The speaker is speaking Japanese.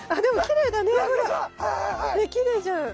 きれいじゃん。